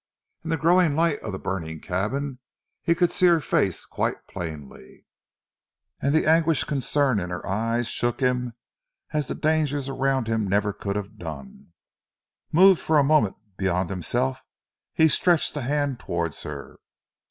In the growing light in the burning cabin he could see her face quite plainly, and the anguished concern in her eyes shook him as the dangers around him never could have done. Moved for a moment beyond himself, he stretched a hand towards her.